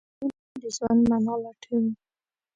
ژوندي د ژوند معنی لټوي